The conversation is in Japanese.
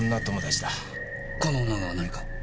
この女が何か？